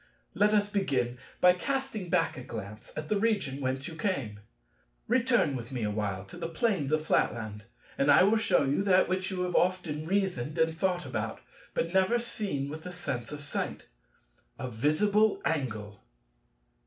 Let us begin by casting back a glance at the region whence you came. Return with me a while to the plains of Flatland and I will shew you that which you have often reasoned and thought about, but never seen with the sense of sight—a visible angle."